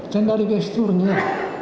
saya dari gesturnya